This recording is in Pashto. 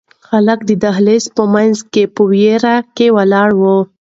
هلک د دهلېز په منځ کې په وېره کې ولاړ و.